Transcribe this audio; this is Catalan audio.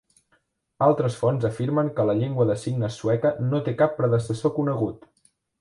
Altres fonts afirmen que la llengua de signes sueca no té cap predecessor conegut.